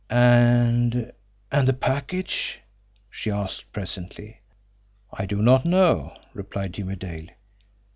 "And and the package?" she asked presently. "I do not know," replied Jimmie Dale.